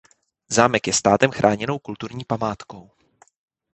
Zámek je státem chráněnou kulturní památkou.